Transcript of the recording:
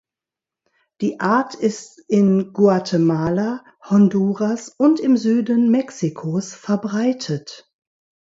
Die Art ist in Guatemala, Honduras und im Süden Mexikos verbreitet.